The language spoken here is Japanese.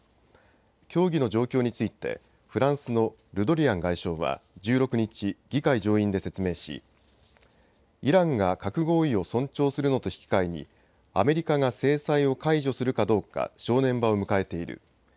協議の状況についてフランスのルドリアン外相は１６日、議会上院で説明しイランが核合意を尊重するのと引き換えにアメリカが制裁を解除するかどうか正念場を迎えている。